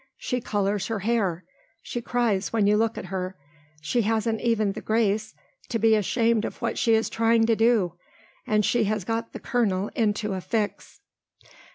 She colours her hair, she cries when you look at her, she hasn't even the grace to be ashamed of what she is trying to do, and she has got the colonel into a fix."